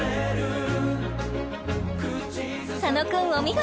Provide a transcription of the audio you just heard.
佐野くんお見事！